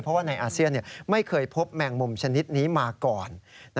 เพราะว่าในอาเซียนไม่เคยพบแมงมุมชนิดนี้มาก่อน